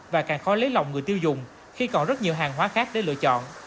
và càng khó lấy lòng người tiêu dùng khi còn rất nhiều hàng hóa khác để lựa chọn